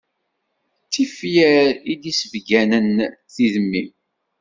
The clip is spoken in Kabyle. D tifyar i d-issebganen tidmi.